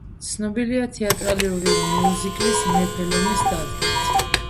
ცნობილია თეატრალური მიუზიკლის, „მეფე ლომის“ დადგმით.